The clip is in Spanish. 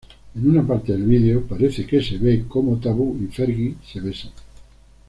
En una parte del video parece verse como Taboo y Fergie se besan.